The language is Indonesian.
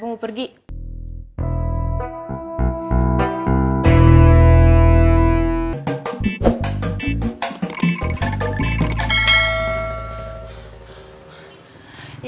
bapak mau pergi